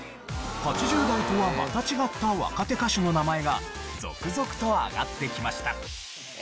８０代とはまた違った若手歌手の名前が続々と挙がってきました。